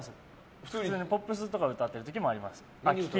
普通にポップスとか歌ってる時もあります。